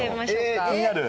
え気になる。